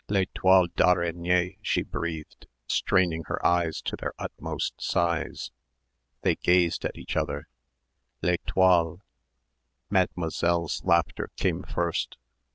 "Les toiles d'araignées," she breathed, straining her eyes to their utmost size. They gazed at each other. "Les toiles ..." Mademoiselle's laughter came first.